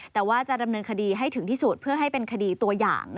แต่ว่าจะดำเนินคดีให้ถึงที่สุดเพื่อให้เป็นคดีตัวอย่าง